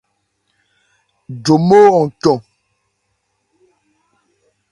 Jómo hɔn cɔn.